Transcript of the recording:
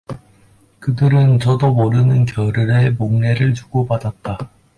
그들은 저도 모르는 겨를에 목례를 주고받았다.